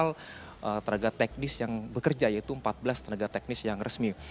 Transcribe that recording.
total tenaga teknis yang bekerja yaitu empat belas tenaga teknis yang resmi